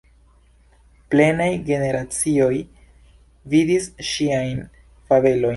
Plenaj generacioj vidis ŝiajn fabelojn.